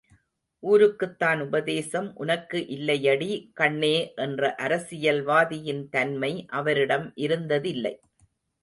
ஊருக்குத்தான் உபதேசம், உனக்கு இல்லையடி கண்ணே என்ற அரசியல்வாதியின் தன்மை அவரிடம் இருந்ததில்லை.